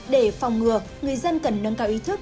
để phòng ngừa người dân cần nâng cao ý thức